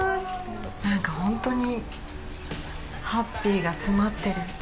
なんか、ほんとにハッピーが詰まってる。